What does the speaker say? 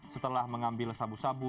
setelah mengambil sabu sabu